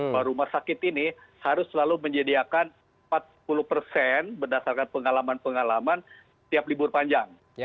bahwa rumah sakit ini harus selalu menyediakan empat puluh persen berdasarkan pengalaman pengalaman tiap libur panjang